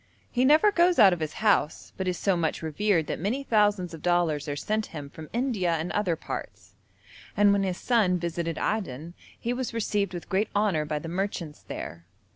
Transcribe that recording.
He never goes out of his house, but is so much revered that many thousands of dollars are sent him from India and other parts, and when his son visited Aden he was received with great honour by the merchants there.